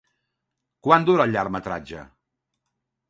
Quant dura el llargmetratge?